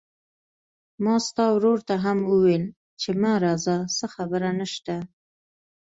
ما ستا ورور ته هم وويل چې ما راځه، څه خبره نشته.